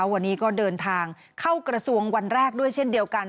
วันนี้ก็เดินทางเข้ากระทรวงวันแรกด้วยเช่นเดียวกัน